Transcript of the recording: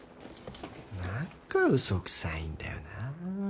何か嘘くさいんだよな。